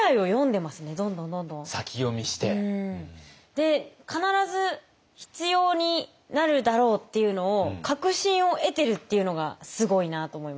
で必ず必要になるだろうっていうのを確信を得てるっていうのがすごいなと思いました。